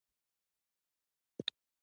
د ښکلا مانا او حقیقت